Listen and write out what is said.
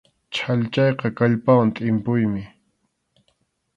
Chhallchayqa kallpawan tʼimpuymi.